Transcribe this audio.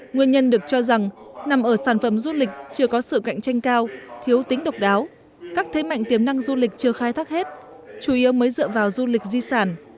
nguyên nhân được cho rằng nằm ở sản phẩm du lịch chưa có sự cạnh tranh cao thiếu tính độc đáo các thế mạnh tiềm năng du lịch chưa khai thác hết chủ yếu mới dựa vào du lịch di sản